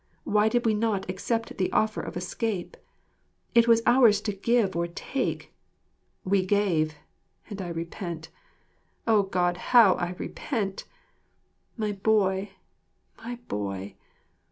Why did we not accept the offer of escape! It was ours to give or take; we gave, and I repent O God, how I repent! My boy, my boy!